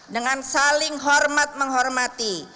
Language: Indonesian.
dengan saling hormat menghormati